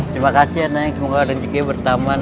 terima kasih ya nay semoga rezeki bertambah nay